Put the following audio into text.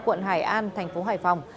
quận hải an tp hải phòng